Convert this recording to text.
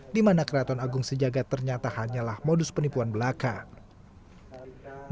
di mana keraton agung sejagat ternyata hanyalah modus penipuan belakang